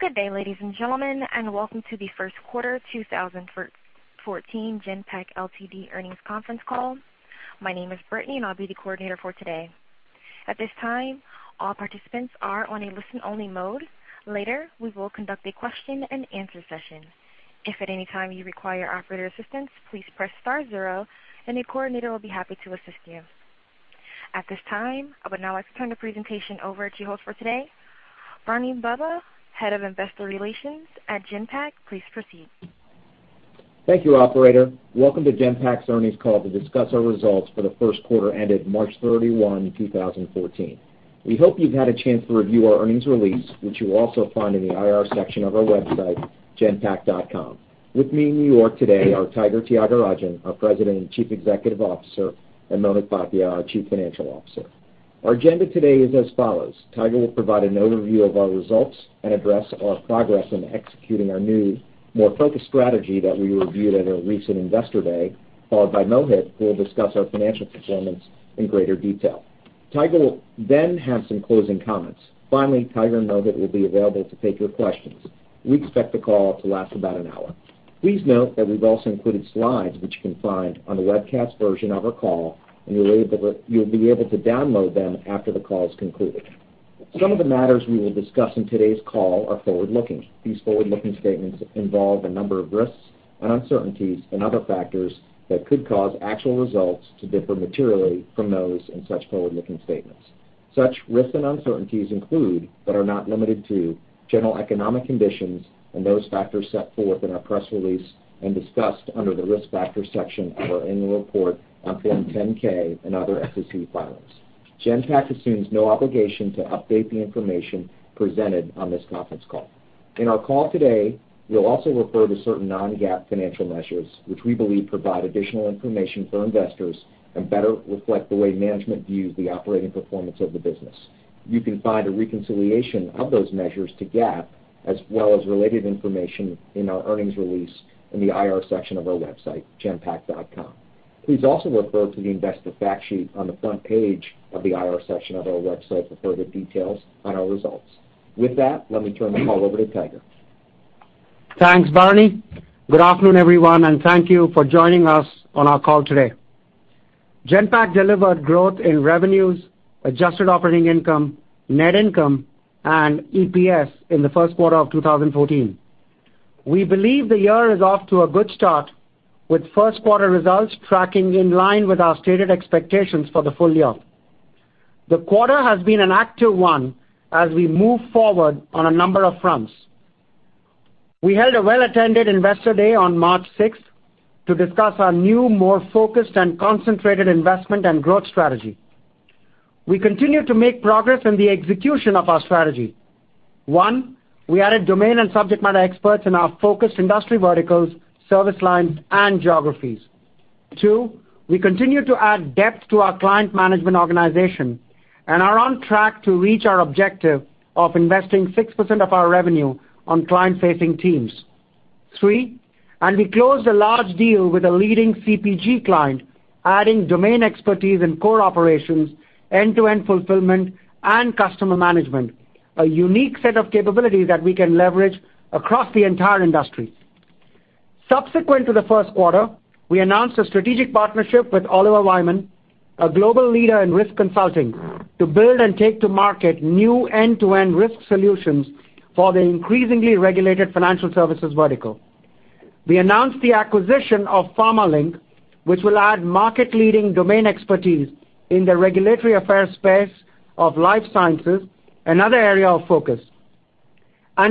Good day, ladies and gentlemen, and welcome to the first quarter 2014 Genpact Ltd. earnings conference call. My name is Brittany, and I'll be the coordinator for today. At this time, all participants are on a listen-only mode. Later, we will conduct a question-and-answer session. If at any time you require operator assistance, please press star zero, and a coordinator will be happy to assist you. At this time, I would now like to turn the presentation over to your host for today, Bikram Singh, Head of Investor Relations at Genpact. Please proceed. Thank you, operator. Welcome to Genpact's earnings call to discuss our results for the first quarter ended March 31, 2014. We hope you've had a chance to review our earnings release, which you will also find in the IR section of our website, genpact.com. With me in New York today are Tiger Tyagarajan, our President and Chief Executive Officer, and Mohit Bhatia, our Chief Financial Officer. Our agenda today is as follows. Tiger will provide an overview of our results and address our progress in executing our new, more focused strategy that we reviewed at our recent Investor Day, followed by Mohit, who will discuss our financial performance in greater detail. Tiger will have some closing comments. Finally, Tiger and Mohit will be available to take your questions. We expect the call to last about an hour. Please note that we've also included slides which you can find on the webcast version of our call, and you'll be able to download them after the call is concluded. Some of the matters we will discuss in today's call are forward-looking. These forward-looking statements involve a number of risks and uncertainties and other factors that could cause actual results to differ materially from those in such forward-looking statements. Such risks and uncertainties include but are not limited to general economic conditions and those factors set forth in our press release and discussed under the Risk Factors section of our annual report on Form 10-K and other SEC filings. Genpact assumes no obligation to update the information presented on this conference call. In our call today, we'll also refer to certain non-GAAP financial measures, which we believe provide additional information for investors and better reflect the way management views the operating performance of the business. You can find a reconciliation of those measures to GAAP, as well as related information in our earnings release in the IR section of our website, genpact.com. Please also refer to the investor fact sheet on the front page of the IR section of our website for further details on our results. With that, let me turn the call over to Tiger. Thanks, Barney. Good afternoon, everyone, and thank you for joining us on our call today. Genpact delivered growth in revenues, adjusted operating income, net income, and EPS in the first quarter of 2014. We believe the year is off to a good start with first quarter results tracking in line with our stated expectations for the full year. The quarter has been an active one as we move forward on a number of fronts. We held a well-attended Investor Day on March 6th to discuss our new, more focused, and concentrated investment and growth strategy. We continue to make progress in the execution of our strategy. One, we added domain and subject matter experts in our focused industry verticals, service lines, and geographies. Two, we continue to add depth to our client management organization and are on track to reach our objective of investing 6% of our revenue on client-facing teams. Three, we closed a large deal with a leading CPG client, adding domain expertise in core operations, end-to-end fulfillment, and customer management, a unique set of capabilities that we can leverage across the entire industry. Subsequent to the first quarter, we announced a strategic partnership with Oliver Wyman, a global leader in risk consulting, to build and take to market new end-to-end risk solutions for the increasingly regulated financial services vertical. We announced the acquisition of PharmaLink, which will add market-leading domain expertise in the regulatory affairs space of life sciences, another area of focus.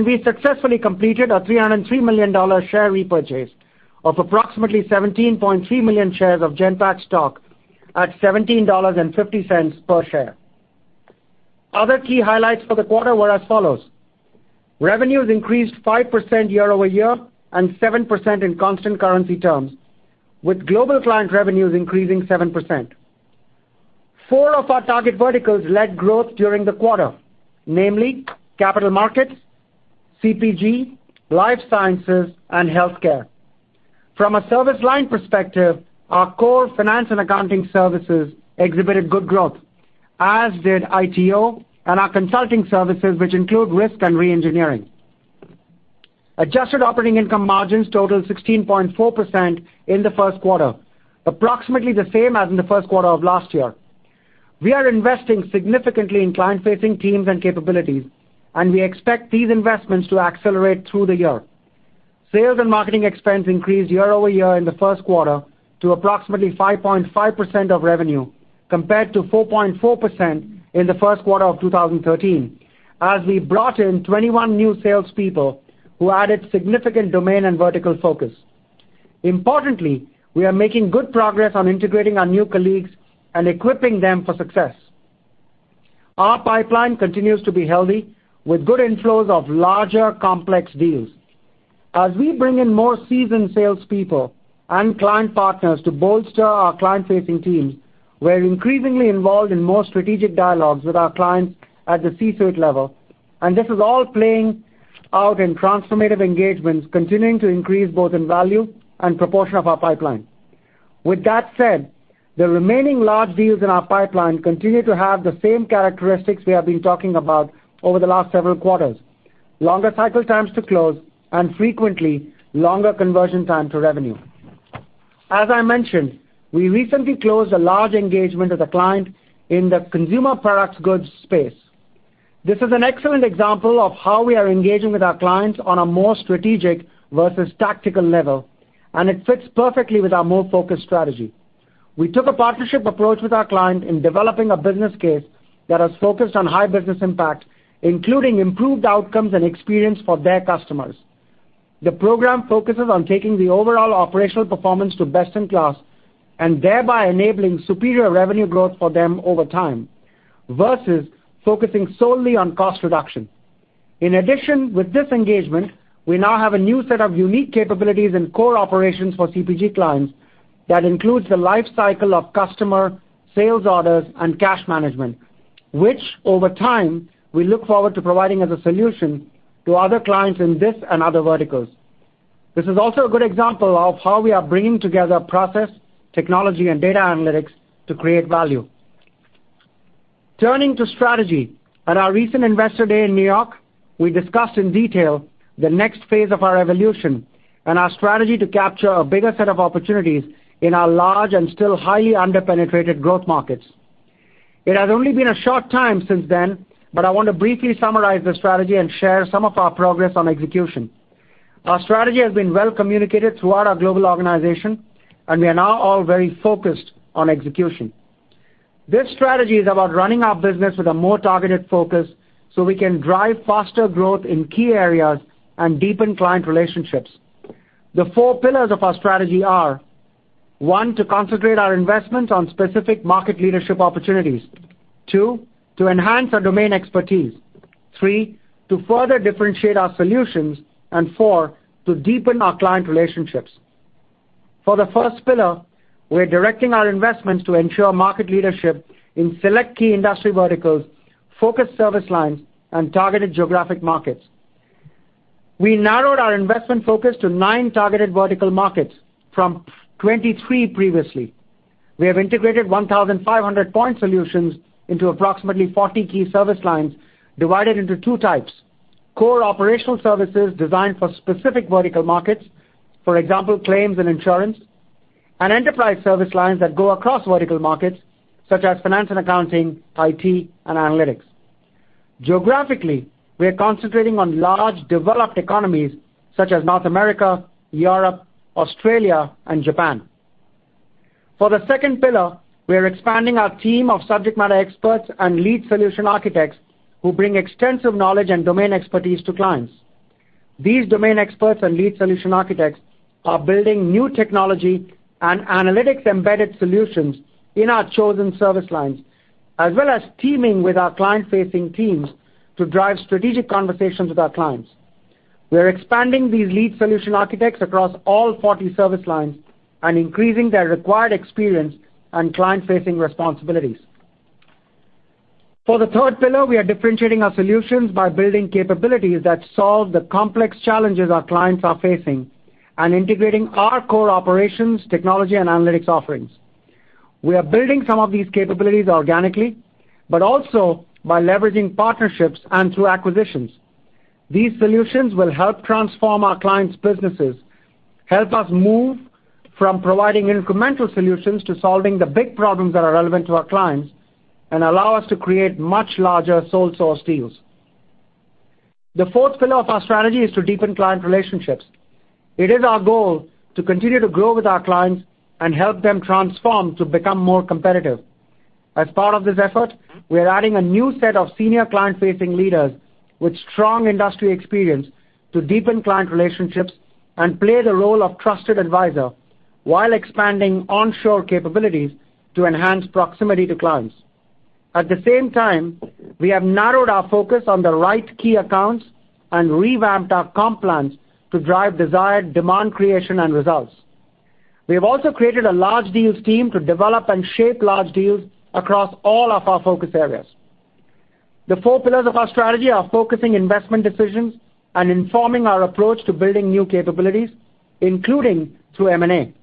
We successfully completed our $303 million share repurchase of approximately 17.3 million shares of Genpact stock at $17.50 per share. Other key highlights for the quarter were as follows. Revenues increased 5% year-over-year and 7% in constant currency terms, with global client revenues increasing 7%. Four of our target verticals led growth during the quarter, namely capital markets, CPG, life sciences, and healthcare. From a service line perspective, our core F&A services exhibited good growth, as did ITO and our consulting services, which include risk and re-engineering. Adjusted operating income margins totaled 16.4% in the first quarter, approximately the same as in the first quarter of last year. We are investing significantly in client-facing teams and capabilities, and we expect these investments to accelerate through the year. Sales and marketing expense increased year-over-year in the first quarter to approximately 5.5% of revenue, compared to 4.4% in the first quarter of 2013, as we brought in 21 new salespeople who added significant domain and vertical focus. Importantly, we are making good progress on integrating our new colleagues and equipping them for success. Our pipeline continues to be healthy, with good inflows of larger, complex deals. As we bring in more seasoned salespeople and client partners to bolster our client-facing teams, we're increasingly involved in more strategic dialogues with our clients at the C-suite level, and this is all playing out in transformative engagements continuing to increase both in value and proportion of our pipeline. With that said, the remaining large deals in our pipeline continue to have the same characteristics we have been talking about over the last several quarters, longer cycle times to close, and frequently, longer conversion time to revenue. As I mentioned, we recently closed a large engagement with a client in the consumer products goods space. This is an excellent example of how we are engaging with our clients on a more strategic versus tactical level, and it fits perfectly with our more focused strategy. We took a partnership approach with our client in developing a business case that is focused on high business impact, including improved outcomes and experience for their customers. The program focuses on taking the overall operational performance to best in class, and thereby enabling superior revenue growth for them over time, versus focusing solely on cost reduction. In addition, with this engagement, we now have a new set of unique capabilities and core operations for CPG clients that includes the life cycle of customer sales orders and cash management, which over time, we look forward to providing as a solution to other clients in this and other verticals. This is also a good example of how we are bringing together process, technology, and data analytics to create value. Turning to strategy, at our recent Investor Day in New York, we discussed in detail the next phase of our evolution and our strategy to capture a bigger set of opportunities in our large and still highly under-penetrated growth markets. It has only been a short time since then, but I want to briefly summarize the strategy and share some of our progress on execution. Our strategy has been well communicated throughout our global organization, and we are now all very focused on execution. This strategy is about running our business with a more targeted focus so we can drive faster growth in key areas and deepen client relationships. The four pillars of our strategy are, one, to concentrate our investments on specific market leadership opportunities. Two, to enhance our domain expertise. Three, to further differentiate our solutions. And four, to deepen our client relationships. For the first pillar, we're directing our investments to ensure market leadership in select key industry verticals, focused service lines, and targeted geographic markets. We narrowed our investment focus to nine targeted vertical markets from 23 previously. We have integrated 1,500 point solutions into approximately 40 key service lines divided into 2 types, core operational services designed for specific vertical markets, for example, claims and insurance, and enterprise service lines that go across vertical markets such as finance and accounting, IT, and analytics. Geographically, we are concentrating on large developed economies such as North America, Europe, Australia, and Japan. For the second pillar, we are expanding our team of subject matter experts and lead solution architects who bring extensive knowledge and domain expertise to clients. These domain experts and lead solution architects are building new technology and analytics-embedded solutions in our chosen service lines, as well as teaming with our client-facing teams to drive strategic conversations with our clients. We're expanding these lead solution architects across all 40 service lines and increasing their required experience and client-facing responsibilities. For the third pillar, we are differentiating our solutions by building capabilities that solve the complex challenges our clients are facing and integrating our core operations, technology, and analytics offerings. We are building some of these capabilities organically, but also by leveraging partnerships and through acquisitions. These solutions will help transform our clients' businesses, help us move from providing incremental solutions to solving the big problems that are relevant to our clients and allow us to create much larger sole source deals. The fourth pillar of our strategy is to deepen client relationships. It is our goal to continue to grow with our clients and help them transform to become more competitive. As part of this effort, we are adding a new set of senior client-facing leaders with strong industry experience to deepen client relationships and play the role of trusted advisor while expanding onshore capabilities to enhance proximity to clients. At the same time, we have narrowed our focus on the right key accounts and revamped our comp plans to drive desired demand creation and results. We have also created a large deals team to develop and shape large deals across all of our focus areas. The four pillars of our strategy are focusing investment decisions and informing our approach to building new capabilities, including through M&A.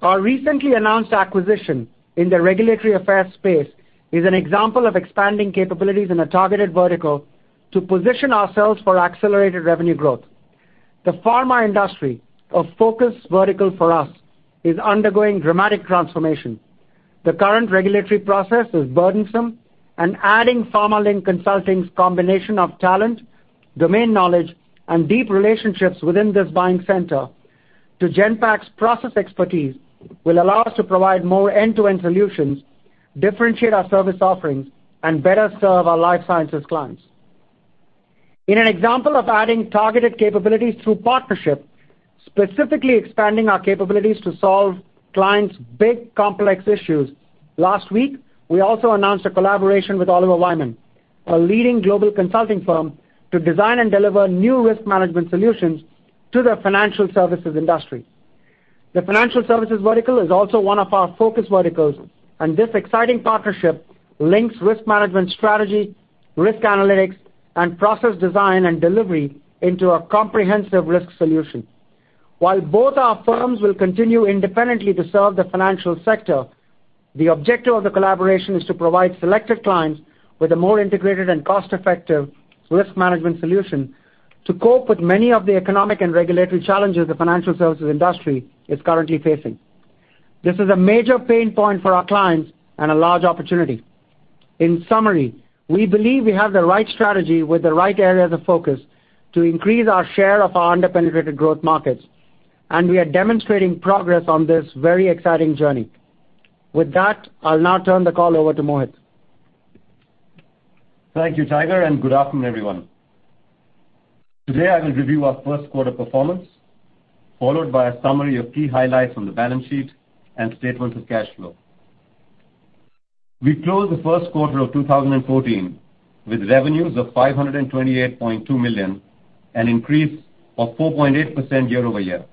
Our recently announced acquisition in the regulatory affairs space is an example of expanding capabilities in a targeted vertical to position ourselves for accelerated revenue growth. The pharma industry, a focus vertical for us, is undergoing dramatic transformation. The current regulatory process is burdensome and adding Pharmalink Consulting's combination of talent, domain knowledge, and deep relationships within this buying center to Genpact's process expertise will allow us to provide more end-to-end solutions, differentiate our service offerings, and better serve our life sciences clients. In an example of adding targeted capabilities through partnership, specifically expanding our capabilities to solve clients' big, complex issues, last week, we also announced a collaboration with Oliver Wyman, a leading global consulting firm, to design and deliver new risk management solutions to the financial services industry. The financial services vertical is also one of our focus verticals, and this exciting partnership links risk management strategy risk analytics, and process design and delivery into a comprehensive risk solution. While both our firms will continue independently to serve the financial sector, the objective of the collaboration is to provide selected clients with a more integrated and cost-effective risk management solution to cope with many of the economic and regulatory challenges the financial services industry is currently facing. This is a major pain point for our clients and a large opportunity. In summary, we believe we have the right strategy with the right areas of focus to increase our share of our under-penetrated growth markets, and we are demonstrating progress on this very exciting journey. With that, I'll now turn the call over to Mohit. Thank you, Tiger, and good afternoon, everyone. Today, I will review our first quarter performance, followed by a summary of key highlights from the balance sheet and statements of cash flow. We closed the first quarter of 2014 with revenues of $528.2 million, an increase of 4.8% year-over-year.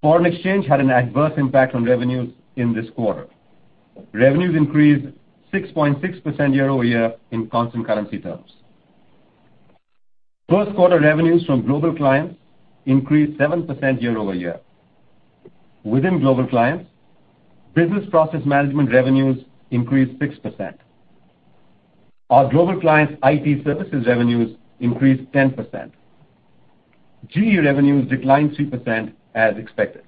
Foreign exchange had an adverse impact on revenues in this quarter. Revenues increased 6.6% year-over-year in constant currency terms. First quarter revenues from global clients increased 7% year-over-year. Within global clients, business process management revenues increased 6%. Our global clients' IT services revenues increased 10%. GE revenues declined 3% as expected.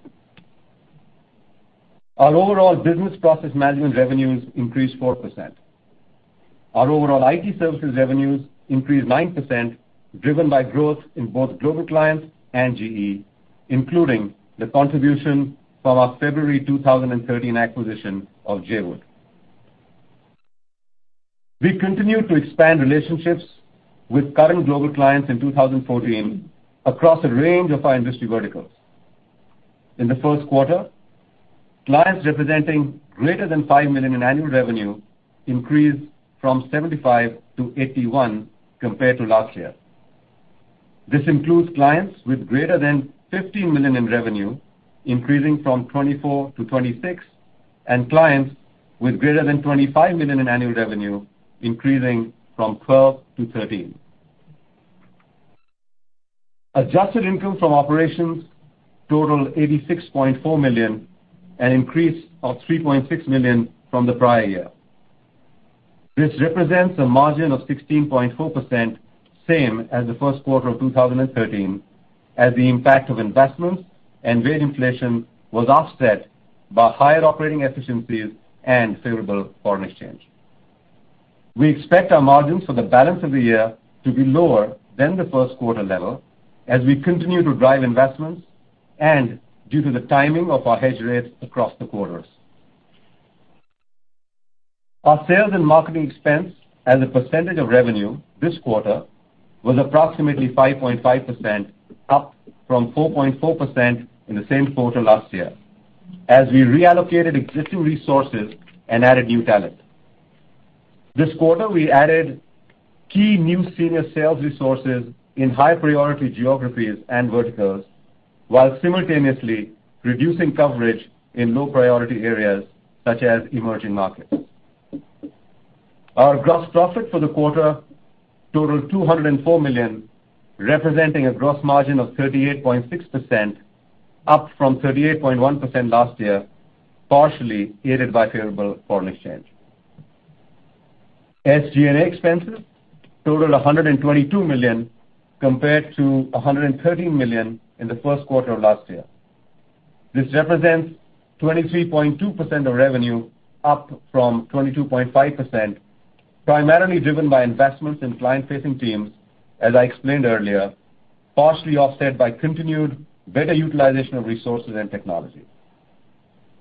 Our overall business process management revenues increased 4%. Our overall IT services revenues increased 9%, driven by growth in both global clients and GE, including the contribution from our February 2013 acquisition of JAWOOD. We continued to expand relationships with current global clients in 2014 across a range of our industry verticals. In the first quarter, clients representing greater than $5 million in annual revenue increased from 75 to 81 compared to last year. This includes clients with greater than $15 million in revenue increasing from 24 to 26, and clients with greater than $25 million in annual revenue increasing from 12 to 13. Adjusted income from operations totaled $86.4 million, an increase of $3.6 million from the prior year. This represents a margin of 16.4%, same as the first quarter of 2013, as the impact of investments and wage inflation was offset by higher operating efficiencies and favorable foreign exchange. We expect our margins for the balance of the year to be lower than the first quarter level as we continue to drive investments and due to the timing of our hedge rates across the quarters. Our sales and marketing expense as a percentage of revenue this quarter was approximately 5.5%, up from 4.4% in the same quarter last year, as we reallocated existing resources and added new talent. This quarter, we added key new senior sales resources in high-priority geographies and verticals while simultaneously reducing coverage in low-priority areas, such as emerging markets. Our gross profit for the quarter totaled $204 million, representing a gross margin of 38.6%, up from 38.1% last year, partially aided by favorable foreign exchange. SG&A expenses totaled $122 million compared to $113 million in the first quarter of last year. This represents 23.2% of revenue, up from 22.5%, primarily driven by investments in client-facing teams, as I explained earlier, partially offset by continued better utilization of resources and technology.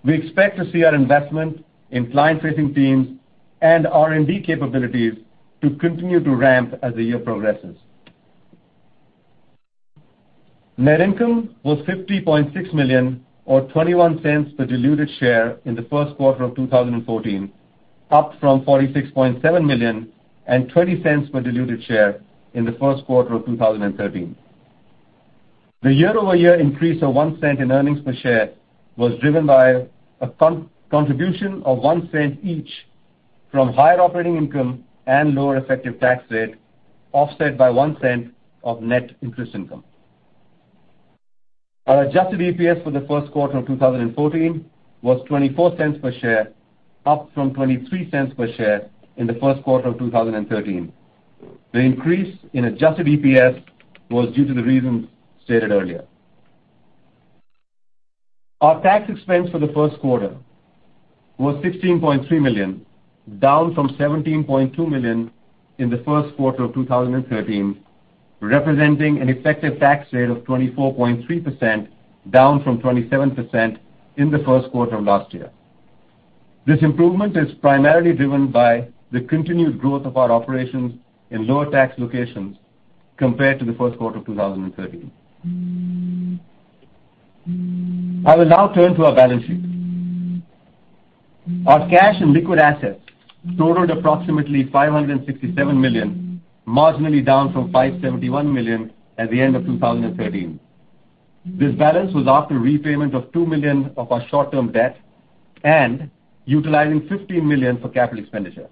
We expect to see our investment in client-facing teams and R&D capabilities to continue to ramp as the year progresses. Net income was $50.6 million, or $0.21 per diluted share in the first quarter of 2014, up from $46.7 million and $0.20 per diluted share in the first quarter of 2013. The year-over-year increase of $0.01 in earnings per share was driven by a contribution of $0.01 each from higher operating income and lower effective tax rate, offset by $0.01 of net interest income. Our adjusted EPS for the first quarter of 2014 was $0.24 per share, up from $0.23 per share in the first quarter of 2013. The increase in adjusted EPS was due to the reasons stated earlier. Our tax expense for the first quarter was $16.3 million, down from $17.2 million in the first quarter of 2013, representing an effective tax rate of 24.3%, down from 27% in the first quarter of last year. This improvement is primarily driven by the continued growth of our operations in lower tax locations compared to the first quarter of 2013. I will now turn to our balance sheet. Our cash and liquid assets totaled approximately $567 million, marginally down from $571 million at the end of 2013. This balance was after repayment of $2 million of our short-term debt and utilizing $15 million for capital expenditure.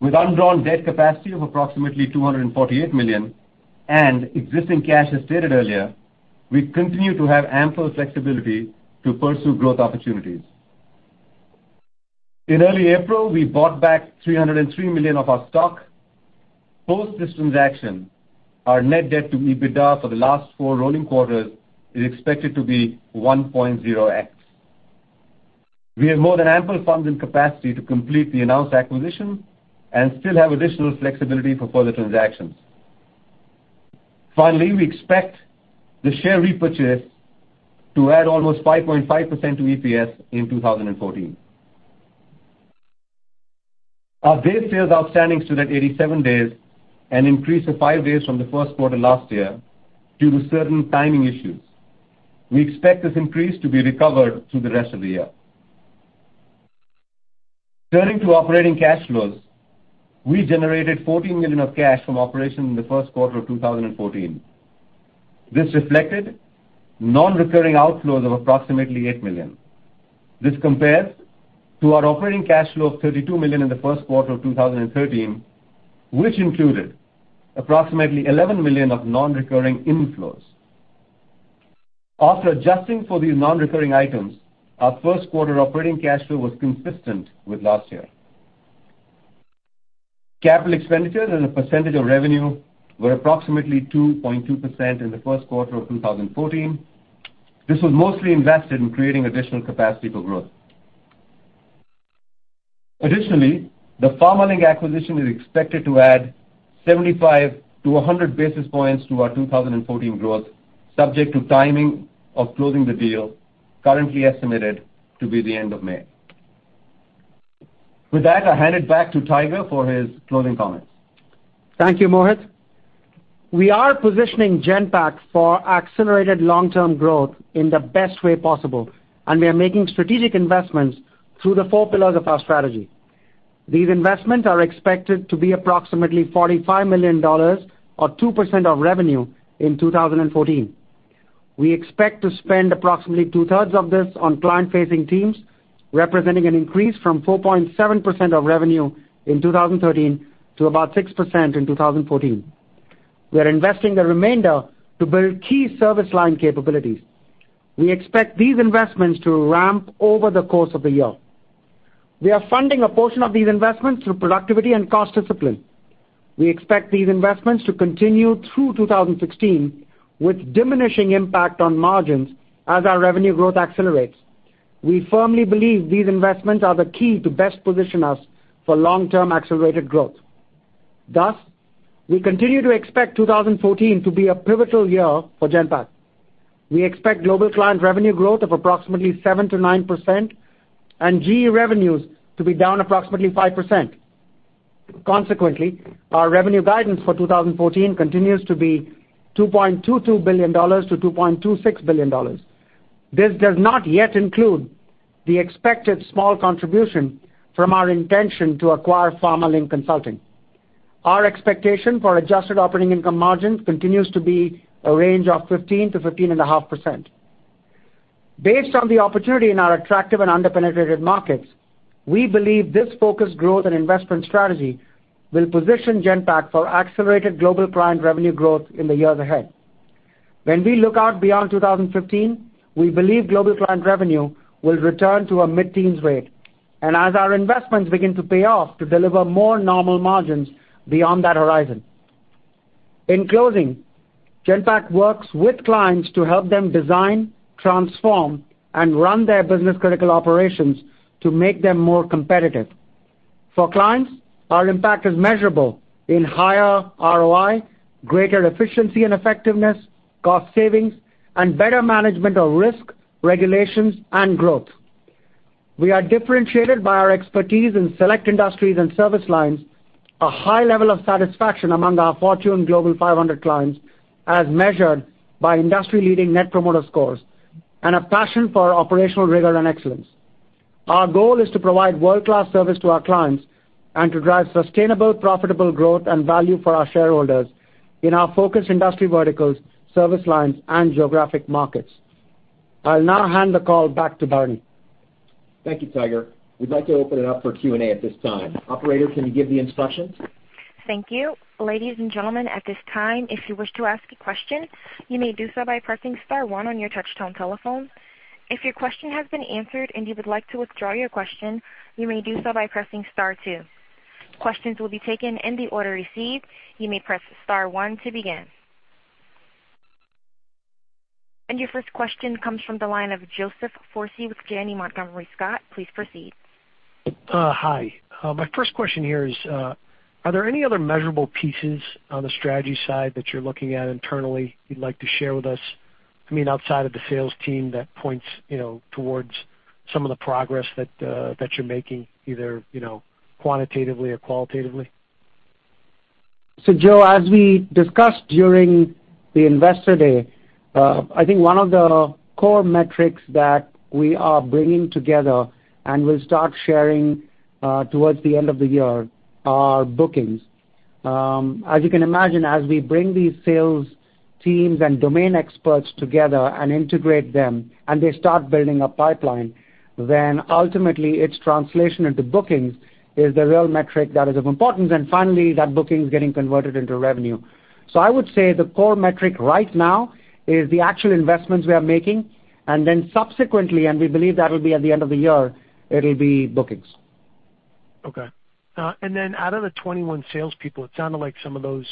With undrawn debt capacity of approximately $248 million and existing cash as stated earlier, we continue to have ample flexibility to pursue growth opportunities. In early April, we bought back $303 million of our stock. Post this transaction, our net debt to EBITDA for the last four rolling quarters is expected to be 1.0x. We have more than ample funds and capacity to complete the announced acquisition and still have additional flexibility for further transactions. Finally, we expect the share repurchase to add almost 5.5% to EPS in 2014. Our days sales outstanding stood at 87 days, an increase of five days from the first quarter last year due to certain timing issues. We expect this increase to be recovered through the rest of the year. Turning to operating cash flows, we generated $14 million of cash from operation in the first quarter of 2014. This reflected non-recurring outflows of approximately $8 million. This compares to our operating cash flow of $32 million in the first quarter of 2013, which included approximately $11 million of non-recurring inflows. After adjusting for these non-recurring items, our first quarter operating cash flow was consistent with last year. Capital expenditures as a percentage of revenue were approximately 2.2% in the first quarter of 2014. This was mostly invested in creating additional capacity for growth. Additionally, the Pharmalink acquisition is expected to add 75-100 basis points to our 2014 growth, subject to timing of closing the deal, currently estimated to be the end of May. With that, I hand it back to Tiger for his closing comments. Thank you, Mohit. We are positioning Genpact for accelerated long-term growth in the best way possible. We are making strategic investments through the four pillars of our strategy. These investments are expected to be approximately $45 million or 2% of revenue in 2014. We expect to spend approximately two-thirds of this on client-facing teams, representing an increase from 4.7% of revenue in 2013 to about 6% in 2014. We are investing the remainder to build key service line capabilities. We expect these investments to ramp over the course of the year. We are funding a portion of these investments through productivity and cost discipline. We expect these investments to continue through 2016 with diminishing impact on margins as our revenue growth accelerates. We firmly believe these investments are the key to best position us for long-term accelerated growth. We continue to expect 2014 to be a pivotal year for Genpact. We expect global client revenue growth of approximately 7%-9%, and GE revenues to be down approximately 5%. Consequently, our revenue guidance for 2014 continues to be $2.22 billion-$2.26 billion. This does not yet include the expected small contribution from our intention to acquire Pharmalink Consulting. Our expectation for adjusted operating income margin continues to be a range of 15%-15.5%. Based on the opportunity in our attractive and under-penetrated markets, we believe this focused growth and investment strategy will position Genpact for accelerated global client revenue growth in the years ahead. When we look out beyond 2015, we believe global client revenue will return to a mid-teens rate, and as our investments begin to pay off to deliver more normal margins beyond that horizon. In closing, Genpact works with clients to help them design, transform, and run their business-critical operations to make them more competitive. For clients, our impact is measurable in higher ROI, greater efficiency and effectiveness, cost savings, and better management of risk, regulations, and growth. We are differentiated by our expertise in select industries and service lines, a high level of satisfaction among our Fortune Global 500 clients, as measured by industry-leading net promoter scores, and a passion for operational rigor and excellence. Our goal is to provide world-class service to our clients and to drive sustainable, profitable growth and value for our shareholders in our focus industry verticals, service lines, and geographic markets. I'll now hand the call back to Barney. Thank you, Tiger. We'd like to open it up for Q&A at this time. Operator, can you give the instructions? Thank you. Ladies and gentlemen, at this time, if you wish to ask a question, you may do so by pressing star one on your touch-tone telephone. If your question has been answered and you would like to withdraw your question, you may do so by pressing star two. Questions will be taken in the order received. You may press star one to begin. Your first question comes from the line of Joseph Foresi with Janney Montgomery Scott. Please proceed. Hi. My first question here is, are there any other measurable pieces on the strategy side that you're looking at internally you'd like to share with us, outside of the sales team that points towards some of the progress that you're making, either quantitatively or qualitatively? Joe, as we discussed during the Investor Day, I think one of the core metrics that we are bringing together and will start sharing towards the end of the year are bookings. You can imagine, as we bring these sales teams and domain experts together and integrate them, and they start building a pipeline, ultimately its translation into bookings is the real metric that is of importance. Finally, that booking is getting converted into revenue. I would say the core metric right now is the actual investments we are making, subsequently, we believe that will be at the end of the year, it'll be bookings. Okay. Out of the 21 salespeople, it sounded like some of those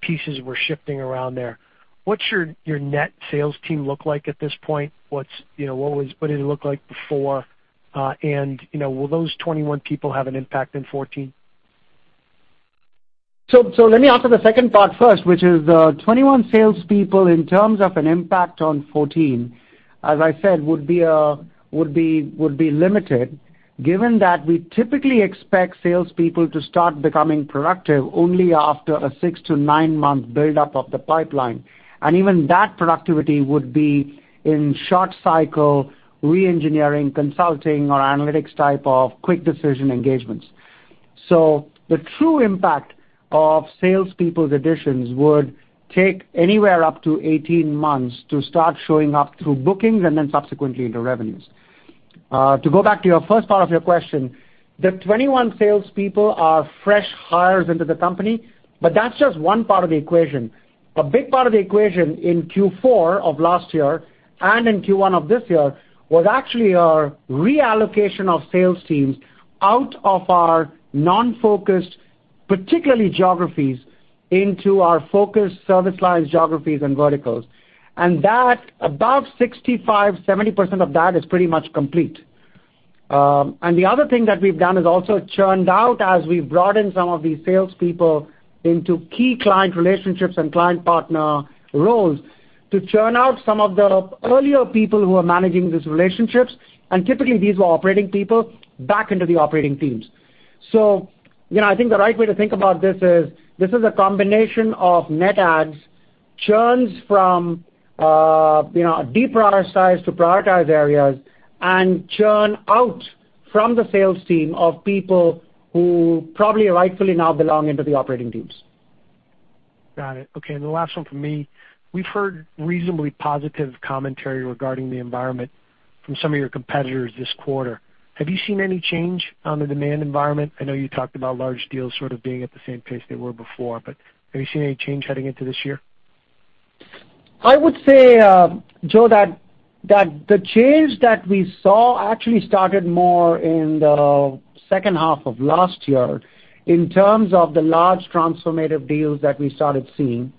pieces were shifting around there. What's your net sales team look like at this point? What did it look like before? Will those 21 people have an impact in 2014? Let me answer the second part first, which is the 21 salespeople, in terms of an impact on 2014, as I said, would be limited given that we typically expect salespeople to start becoming productive only after a six to nine-month buildup of the pipeline. Even that productivity would be in short cycle reengineering, consulting, or analytics type of quick decision engagements. The true impact of salespeople additions would take anywhere up to 18 months to start showing up through bookings and then subsequently into revenues. To go back to your first part of your question, the 21 salespeople are fresh hires into the company, but that's just one part of the equation. A big part of the equation in Q4 of last year and in Q1 of this year was actually our reallocation of sales teams out of our non-focused, particularly geographies, into our focused service lines, geographies, and verticals. About 65%-70% of that is pretty much complete. The other thing that we've done is also churned out as we've brought in some of these salespeople into key client relationships and client partner roles to churn out some of the earlier people who are managing these relationships, and typically these were operating people, back into the operating teams. I think the right way to think about this is, this is a combination of net adds, churns from deprioritized to prioritized areas, and churn out from the sales team of people who probably rightfully now belong into the operating teams. Got it. Okay, the last one from me. We've heard reasonably positive commentary regarding the environment from some of your competitors this quarter. Have you seen any change on the demand environment? I know you talked about large deals sort of being at the same pace they were before, but have you seen any change heading into this year? I would say, Joe, that the change that we saw actually started more in the second half of last year in terms of the large transformative deals that we started seeing.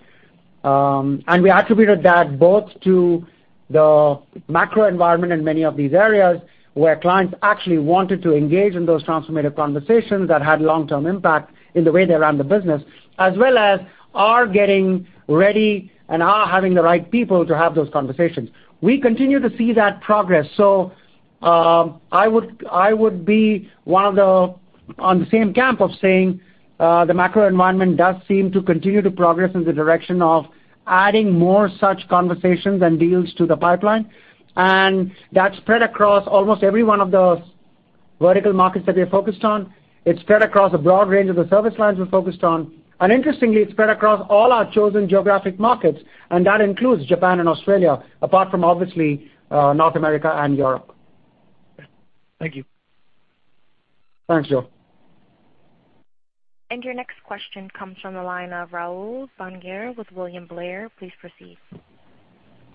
We attributed that both to the macro environment in many of these areas where clients actually wanted to engage in those transformative conversations that had long-term impact in the way they run the business, as well as our getting ready and our having the right people to have those conversations. We continue to see that progress. I would be on the same camp of saying the macro environment does seem to continue to progress in the direction of adding more such conversations and deals to the pipeline. That spread across almost every one of those vertical markets that we are focused on. It spread across a broad range of the service lines we're focused on. Interestingly, it spread across all our chosen geographic markets, and that includes Japan and Australia, apart from obviously North America and Europe. Thank you. Thanks, Joe. Your next question comes from the line of Rahul Bhangoo with William Blair. Please proceed.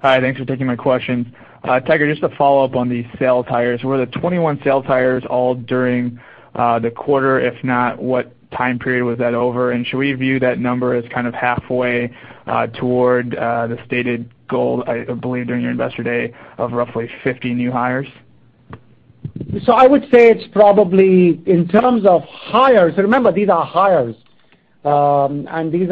Hi. Thanks for taking my question. Tiger, just to follow up on the sales hires. Were the 21 sales hires all during the quarter? If not, what time period was that over? And should we view that number as kind of halfway toward the stated goal, I believe during your investor day, of roughly 50 new hires? I would say it's probably in terms of hires, remember, these are hires. These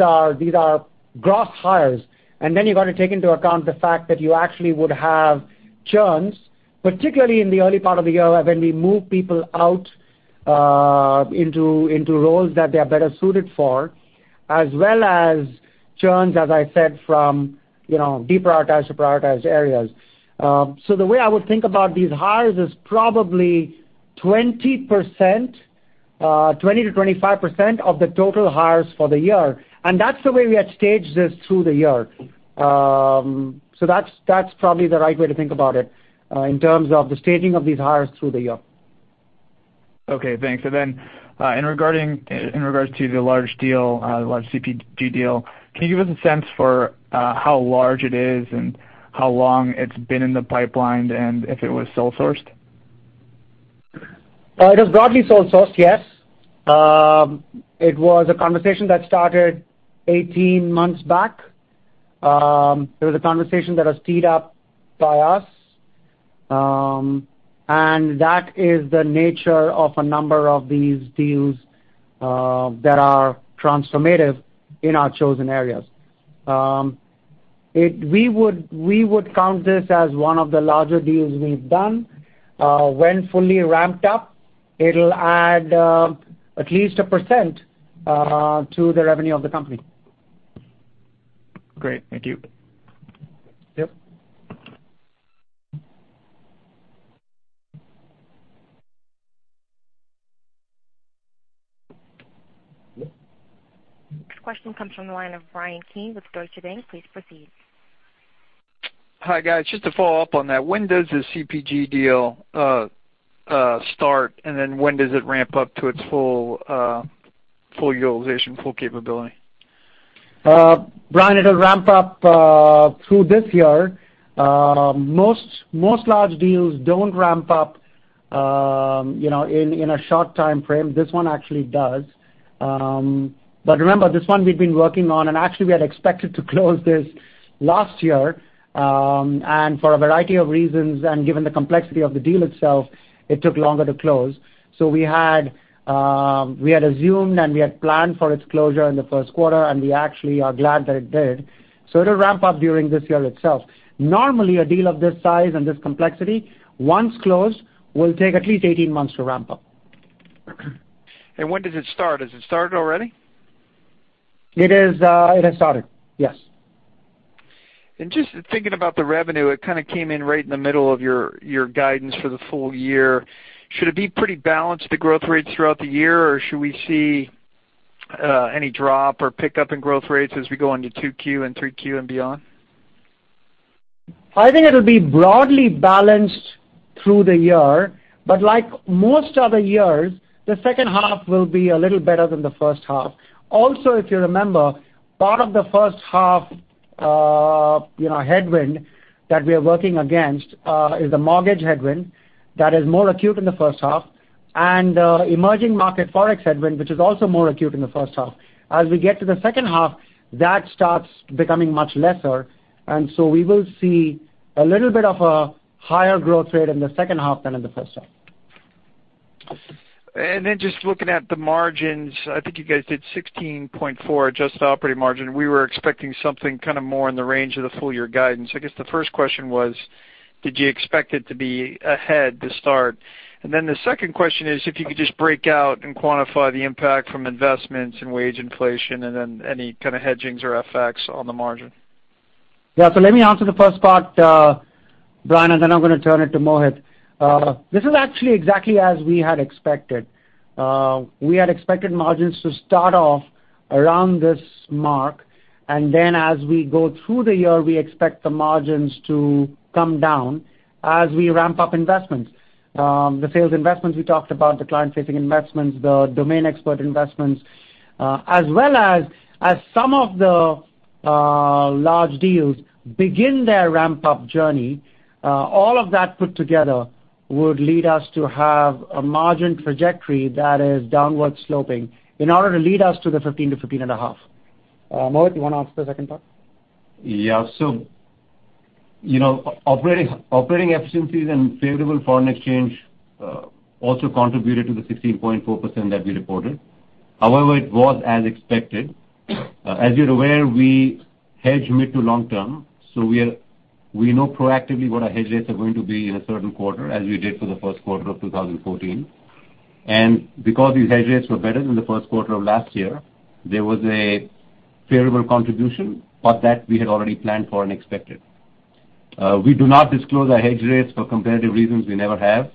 are gross hires. Then you've got to take into account the fact that you actually would have churns, particularly in the early part of the year when we move people out into roles that they are better suited for, as well as churns, as I said, from deprioritized to prioritized areas. The way I would think about these hires is probably 20%-25% of the total hires for the year, and that's the way we had staged this through the year. That's probably the right way to think about it in terms of the staging of these hires through the year. Okay, thanks. In regards to the large deal, large CPG deal, can you give us a sense for how large it is and how long it's been in the pipeline and if it was sole-sourced? It was broadly sole-sourced, yes. It was a conversation that started 18 months back. It was a conversation that was sped up by us. That is the nature of a number of these deals that are transformative in our chosen areas. We would count this as one of the larger deals we've done. When fully ramped up, it'll add at least a percent to the revenue of the company. Great. Thank you. Yep. Next question comes from the line of Bryan Keane with Deutsche Bank. Please proceed. Hi, guys. Just to follow up on that, when does the CPG deal start, and then when does it ramp up to its full utilization, full capability? Bryan, it'll ramp up through this year. Most large deals don't ramp up in a short timeframe. This one actually does. Remember, this one we've been working on, and actually we had expected to close this last year. For a variety of reasons, and given the complexity of the deal itself, it took longer to close. We had assumed and we had planned for its closure in the first quarter, and we actually are glad that it did. It'll ramp up during this year itself. Normally, a deal of this size and this complexity, once closed, will take at least 18 months to ramp up. When does it start? Has it started already? It has started. Yes. Just thinking about the revenue, it kind of came in right in the middle of your guidance for the full year. Should it be pretty balanced, the growth rates throughout the year, or should we see any drop or pickup in growth rates as we go into 2Q and 3Q and beyond? I think it'll be broadly balanced through the year, but like most other years, the second half will be a little better than the first half. If you remember, part of the first half headwind that we are working against is the mortgage headwind that is more acute in the first half, and emerging market Forex headwind, which is also more acute in the first half. We get to the second half, that starts becoming much lesser, so we will see a little bit of a higher growth rate in the second half than in the first half. Just looking at the margins, I think you guys did 16.4% adjusted operating margin. We were expecting something kind of more in the range of the full-year guidance. I guess the first question was, did you expect it to be ahead to start? The second question is, if you could just break out and quantify the impact from investments and wage inflation and then any kind of hedgings or FX on the margin. Let me answer the first part, Bryan, and then I'm going to turn it to Mohit. This is actually exactly as we had expected. We had expected margins to start off around this mark, and then as we go through the year, we expect the margins to come down as we ramp up investments. The sales investments we talked about, the client-facing investments, the domain expert investments, as well as some of the large deals begin their ramp-up journey. All of that put together would lead us to have a margin trajectory that is downward sloping in order to lead us to the 15% to 15.5%. Mohit, you want to answer the second part? Operating efficiencies and favorable foreign exchange also contributed to the 16.4% that we reported. However, it was as expected. As you're aware, we hedge mid to long-term, we know proactively what our hedge rates are going to be in a certain quarter, as we did for the first quarter of 2014. Because these hedge rates were better than the first quarter of last year, there was a favorable contribution, but that we had already planned for and expected. We do not disclose our hedge rates for competitive reasons. We never have.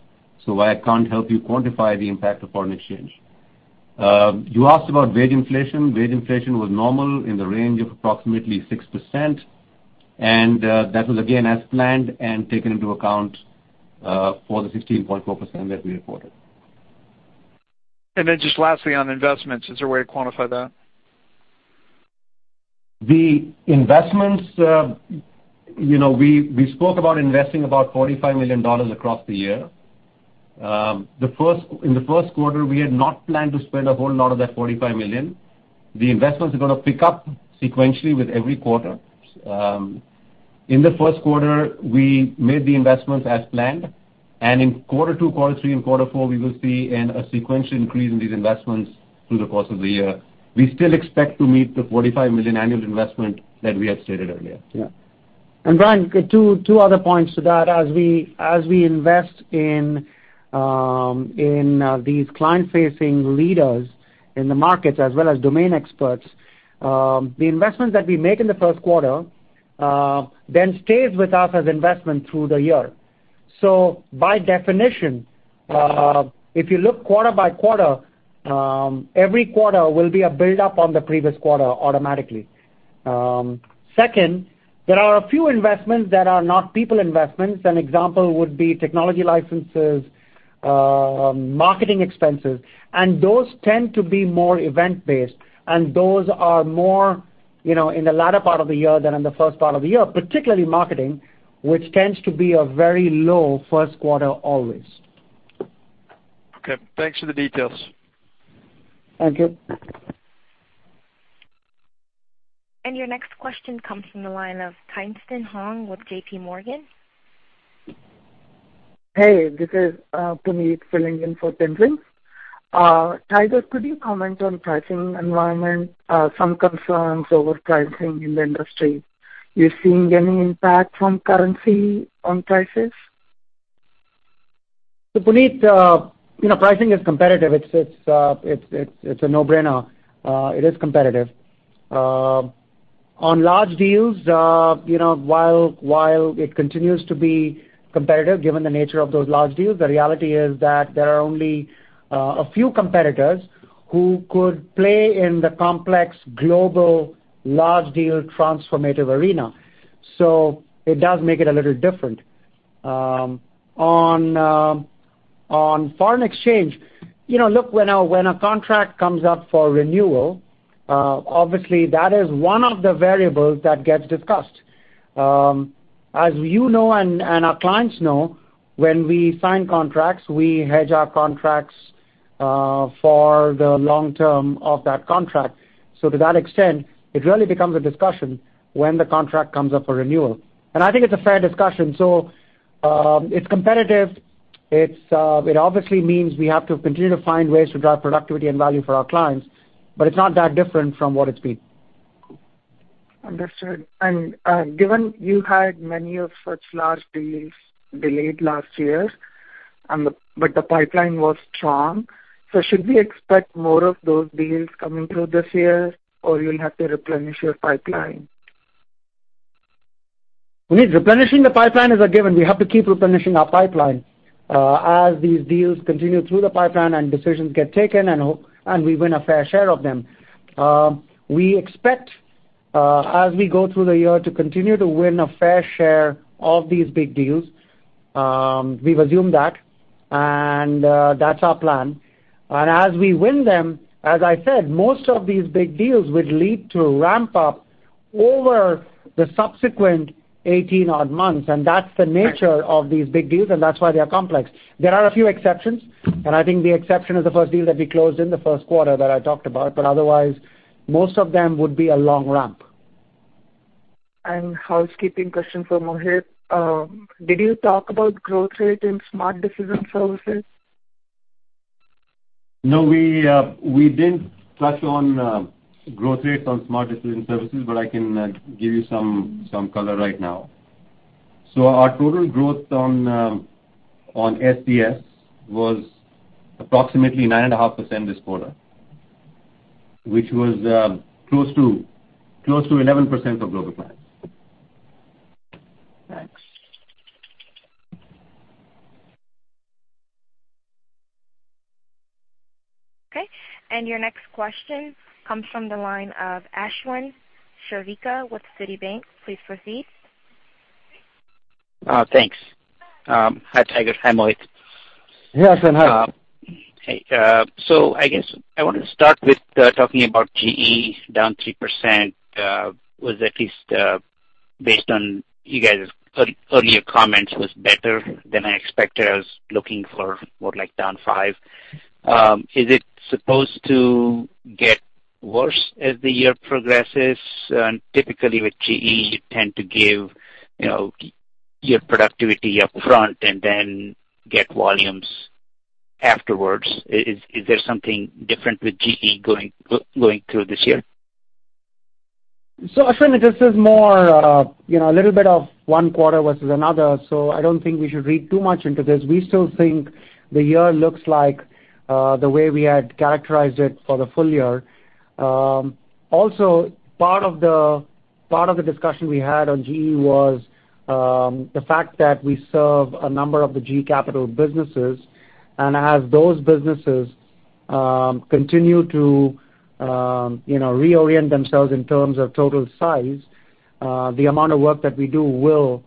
I can't help you quantify the impact of foreign exchange. You asked about wage inflation. Wage inflation was normal in the range of approximately 6%, and that was again as planned and taken into account for the 16.4% that we reported. Just lastly on investments, is there a way to quantify that? The investments, we spoke about investing about $45 million across the year. In the first quarter, we had not planned to spend a whole lot of that $45 million. The investments are going to pick up sequentially with every quarter. In the first quarter, we made the investments as planned, in quarter two, quarter three, and quarter four, we will see a sequential increase in these investments through the course of the year. We still expect to meet the $45 million annual investment that we had stated earlier. Bryan, two other points to that. As we invest in these client-facing leaders in the markets as well as domain experts, the investments that we make in the first quarter then stays with us as investment through the year. By definition, if you look quarter by quarter, every quarter will be a build-up on the previous quarter automatically. Second, there are a few investments that are not people investments. An example would be technology licenses, marketing expenses, and those tend to be more event-based, and those are more in the latter part of the year than in the first part of the year, particularly marketing, which tends to be a very low first quarter always. Okay. Thanks for the details. Thank you. Your next question comes from the line of Tien-Tsin Huang with J.P. Morgan. Hey. This is Puneet filling in for Tien-Tsin. Tiger, could you comment on pricing environment, some concerns over pricing in the industry? You're seeing any impact from currency on prices? Puneet, pricing is competitive. It's a no-brainer. It is competitive. On large deals, while it continues to be competitive, given the nature of those large deals, the reality is that there are only a few competitors who could play in the complex global large deal transformative arena. It does make it a little different. On foreign exchange, look, when a contract comes up for renewal, obviously that is one of the variables that gets discussed. As you know and our clients know, when we sign contracts, we hedge our contracts for the long term of that contract. To that extent, it really becomes a discussion when the contract comes up for renewal. I think it's a fair discussion. It's competitive. It obviously means we have to continue to find ways to drive productivity and value for our clients, but it's not that different from what it's been. Understood. Given you had many of such large deals delayed last year, but the pipeline was strong, should we expect more of those deals coming through this year, or you'll have to replenish your pipeline? Puneet, replenishing the pipeline is a given. We have to keep replenishing our pipeline as these deals continue through the pipeline and decisions get taken, and we win a fair share of them. We expect, as we go through the year, to continue to win a fair share of these big deals. We've assumed that, and that's our plan. As we win them, as I said, most of these big deals would lead to ramp-up over the subsequent 18 odd months, and that's the nature of these big deals, and that's why they are complex. There are a few exceptions, and I think the exception is the first deal that we closed in the first quarter that I talked about, but otherwise, most of them would be a long ramp. Housekeeping question for Mohit. Did you talk about growth rate in Smart Decision Services? No, we didn't touch on growth rates on Smart Decision Services, but I can give you some color right now. Our total growth on SDS was approximately 9.5% this quarter, which was close to 11% for Global Business Services. Thanks. Okay. Your next question comes from the line of Ashwin Shirvaikar with Citi. Please proceed. Thanks. Hi, Tiger. Hi, Mohit. Yeah, Ashwin, hi. Hey. I guess I want to start with talking about GE down 3% was at least based on you guys' earlier comments, was better than I expected. I was looking for more like down five. Is it supposed to get worse as the year progresses? Typically with GE, you tend to give your productivity up front and then get volumes afterwards. Is there something different with GE going through this year? Ashwin, this is more a little bit of one quarter versus another. I don't think we should read too much into this. We still think the year looks like the way we had characterized it for the full year. Also, part of the discussion we had on GE was the fact that we serve a number of the GE Capital businesses, as those businesses continue to reorient themselves in terms of total size, the amount of work that we do will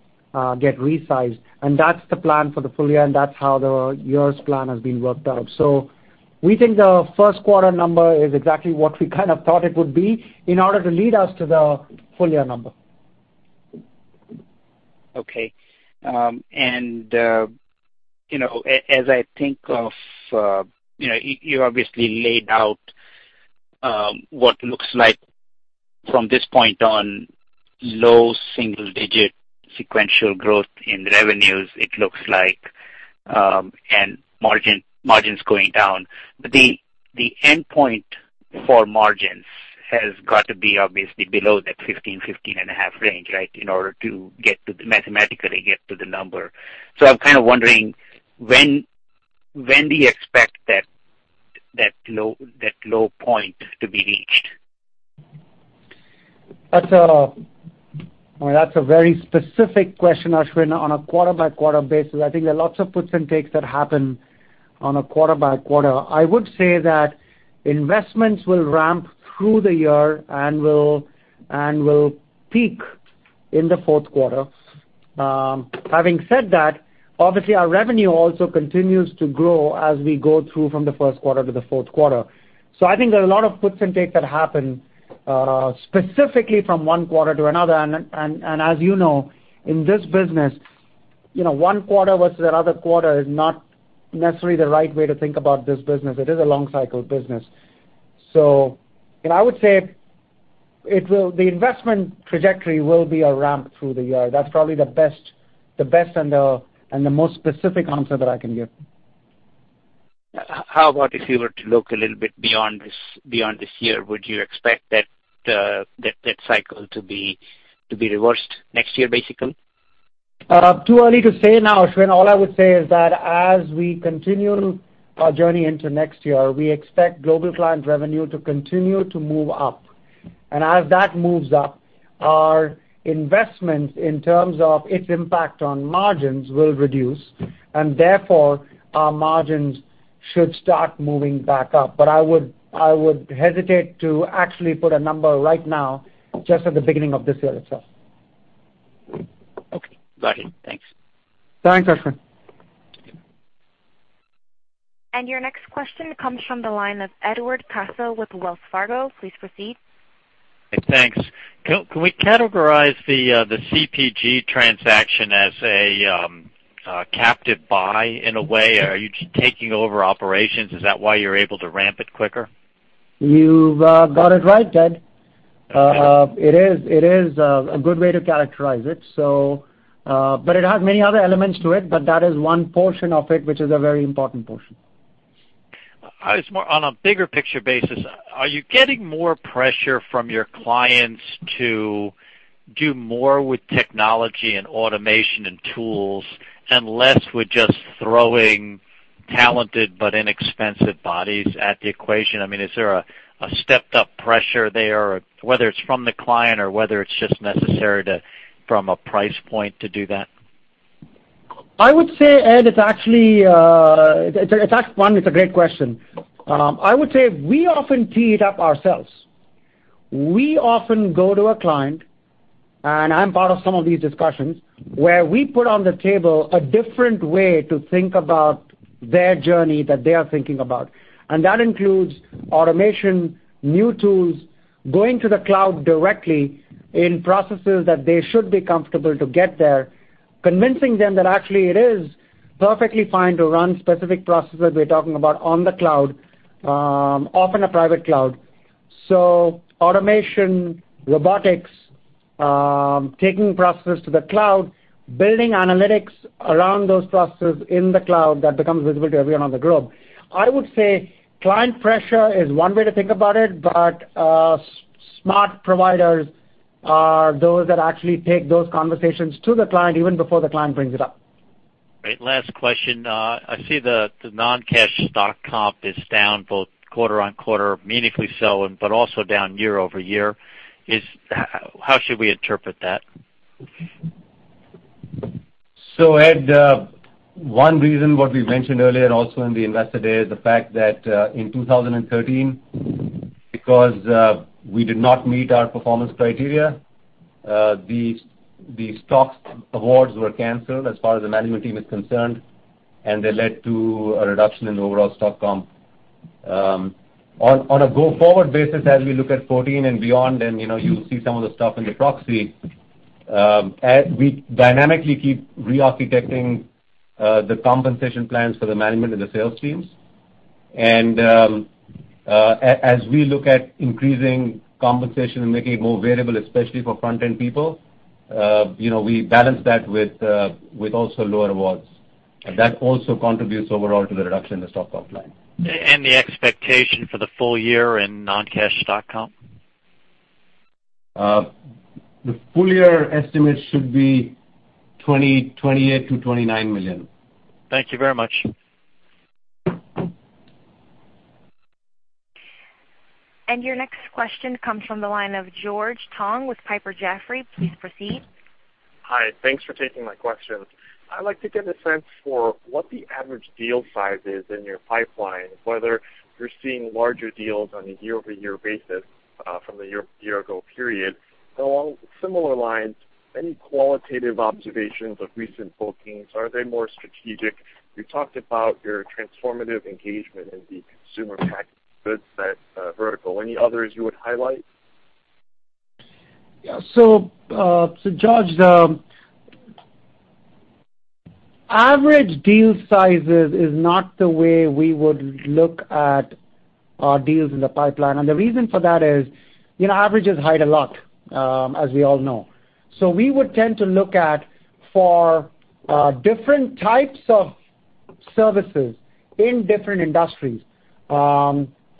get resized, that's the plan for the full year, that's how the year's plan has been worked out. We think the first quarter number is exactly what we kind of thought it would be in order to lead us to the full year number. Okay. You obviously laid out what looks like from this point on low single-digit sequential growth in revenues, it looks like, and margins going down. The endpoint for margins has got to be obviously below that 15.5 range, right? In order to mathematically get to the number. I'm kind of wondering when do you expect that low point to be reached? That's a very specific question, Ashwin. On a quarter-by-quarter basis, I think there are lots of puts and takes that happen on a quarter-by-quarter. I would say that investments will ramp through the year and will peak in the fourth quarter. Having said that, obviously, our revenue also continues to grow as we go through from the first quarter to the fourth quarter. I think there are a lot of puts and takes that happen, specifically from one quarter to another, and as you know, in this business, one quarter versus another quarter is not necessarily the right way to think about this business. It is a long cycle business. I would say the investment trajectory will be a ramp through the year. That's probably the best and the most specific answer that I can give. How about if you were to look a little bit beyond this year? Would you expect that cycle to be reversed next year, basically? Too early to say now, Ashwin. All I would say is that as we continue our journey into next year, we expect global client revenue to continue to move up. As that moves up, our investments in terms of its impact on margins will reduce, and therefore, our margins should start moving back up. I would hesitate to actually put a number right now, just at the beginning of this year itself. Okay, got it. Thanks. Thanks, Ashwin. Your next question comes from the line of Edward Caso with Wells Fargo. Please proceed. Thanks. Can we categorize the CPG transaction as a captive buy in a way? Are you taking over operations? Is that why you're able to ramp it quicker? You've got it right, Ed. It is a good way to characterize it. It has many other elements to it, but that is one portion of it, which is a very important portion. It's more on a bigger picture basis. Are you getting more pressure from your clients to do more with technology and automation and tools, and less with just throwing talented but inexpensive bodies at the equation? Is there a stepped-up pressure there, whether it's from the client or whether it's just necessary from a price point to do that? I would say, Ed, it's actually one, it's a great question. I would say we often tee it up ourselves. We often go to a client, and I'm part of some of these discussions, where we put on the table a different way to think about their journey that they are thinking about. That includes automation, new tools, going to the cloud directly in processes that they should be comfortable to get there, convincing them that actually it is perfectly fine to run specific processes we're talking about on the cloud, often a private cloud. Automation, robotics, taking processes to the cloud, building analytics around those processes in the cloud that becomes visible to everyone on the globe. I would say client pressure is one way to think about it, but smart providers are those that actually take those conversations to the client even before the client brings it up. Great. Last question. I see the non-cash stock comp is down both quarter-on-quarter, meaningfully so, but also down year-over-year. How should we interpret that? Ed, one reason what we mentioned earlier also in the Investor Day is the fact that, in 2013, because we did not meet our performance criteria, the stock awards were canceled as far as the management team is concerned, and they led to a reduction in the overall stock comp. On a go-forward basis, as we look at 2014 and beyond, and you'll see some of the stuff in the proxy, we dynamically keep re-architecting the compensation plans for the management and the sales teams. As we look at increasing compensation and making it more variable, especially for front-end people, we balance that with also lower awards. That also contributes overall to the reduction in the stock comp line. The expectation for the full year in non-cash stock comp? The full year estimate should be $28 million-$29 million. Thank you very much. Your next question comes from the line of George Tong with Piper Jaffray. Please proceed. Hi. Thanks for taking my questions. I'd like to get a sense for what the average deal size is in your pipeline, whether you're seeing larger deals on a year-over-year basis from a year ago period. Along similar lines, any qualitative observations of recent bookings, are they more strategic? You talked about your transformative engagement in the consumer packaged goods set vertical. Any others you would highlight? Yeah. George, average deal sizes is not the way we would look at our deals in the pipeline. The reason for that is, averages hide a lot, as we all know. We would tend to look at for different types of services in different industries.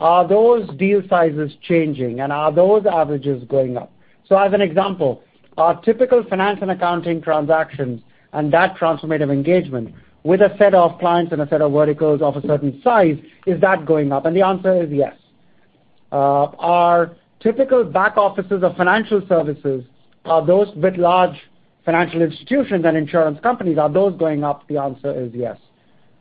Are those deal sizes changing, and are those averages going up? As an example, our typical finance and accounting transactions and that transformative engagement with a set of clients and a set of verticals of a certain size, is that going up? The answer is yes. Our typical back offices of financial services, are those with large financial institutions and insurance companies, are those going up? The answer is yes.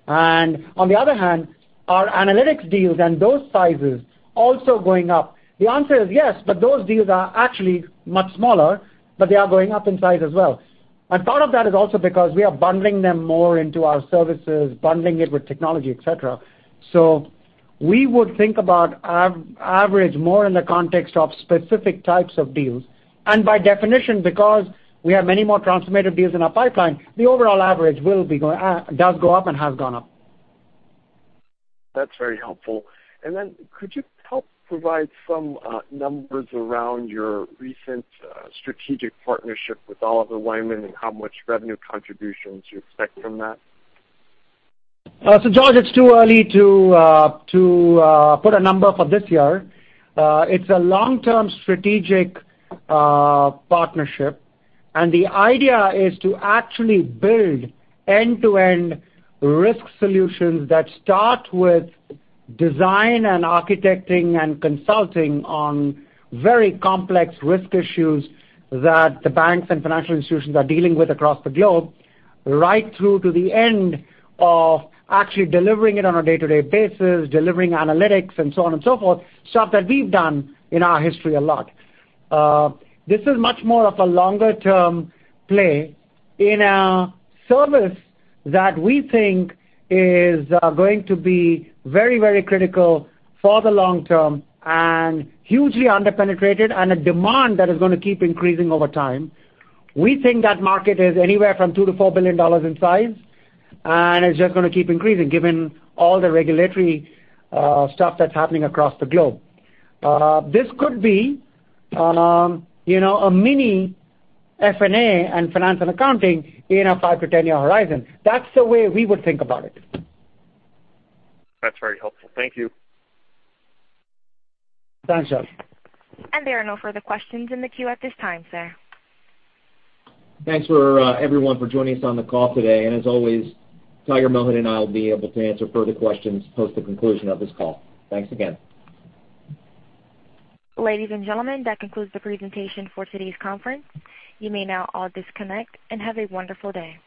On the other hand, are analytics deals and those sizes also going up? The answer is yes, those deals are actually much smaller, but they are going up in size as well. Part of that is also because we are bundling them more into our services, bundling it with technology, et cetera. We would think about average more in the context of specific types of deals. By definition, because we have many more transformative deals in our pipeline, the overall average does go up and has gone up. That's very helpful. Could you help provide some numbers around your recent strategic partnership with Oliver Wyman and how much revenue contributions you expect from that? George, it's too early to put a number for this year. It's a long-term strategic partnership, the idea is to actually build end-to-end risk solutions that start with design and architecting and consulting on very complex risk issues that the banks and financial institutions are dealing with across the globe, right through to the end of actually delivering it on a day-to-day basis, delivering analytics and so on and so forth, stuff that we've done in our history a lot. This is much more of a longer-term play in a service that we think is going to be very, very critical for the long term and hugely under-penetrated and a demand that is going to keep increasing over time. We think that market is anywhere from $2 billion-$4 billion in size, it's just going to keep increasing given all the regulatory stuff that's happening across the globe. This could be a mini F&A and finance and accounting in a 5-10-year horizon. That's the way we would think about it. That's very helpful. Thank you. Thanks, George. There are no further questions in the queue at this time, sir. Thanks for everyone for joining us on the call today. As always, Tiger, Mohan, and I will be able to answer further questions post the conclusion of this call. Thanks again. Ladies and gentlemen, that concludes the presentation for today's conference. You may now all disconnect and have a wonderful day.